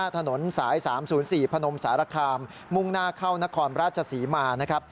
ถนนสาย๓๐๔พนมศาลคามมุ่งหน้าเข้านครราชสีมา